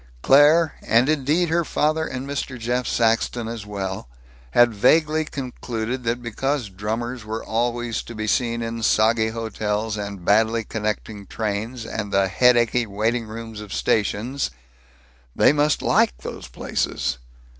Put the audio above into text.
Claire, and indeed her father and Mr. Jeff Saxton as well, had vaguely concluded that because drummers were always to be seen in soggy hotels and badly connecting trains and the headachy waiting rooms of stations, they must like these places.